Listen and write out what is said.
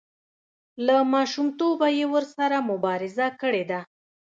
له ماشومتوبه یې ورسره مبارزه کړې ده.